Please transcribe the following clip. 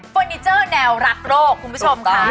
นิเจอร์แนวรักโรคคุณผู้ชมค่ะ